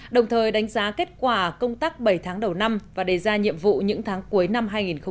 đồng thời đánh giá kết quả công tác bảy tháng đầu năm và đề ra nhiệm vụ những tháng cuối năm hai nghìn hai mươi